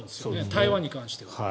台湾に関しては。